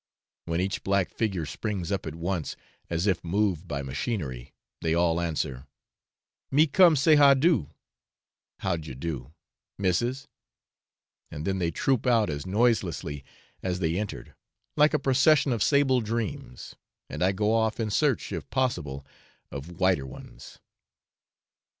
when each black figure springs up at once, as if moved by machinery, they all answer, 'Me come say ha do (how d'ye do), missis;' and then they troop out as noiselessly as they entered, like a procession of sable dreams, and I go off in search, if possible, of whiter ones.